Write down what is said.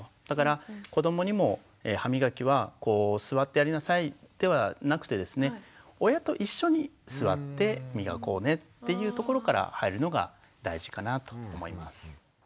だから子どもにも「歯磨きは座ってやりなさい」ではなくてですね「親と一緒に座って磨こうね」っていうところから入るのが大事かなと思います。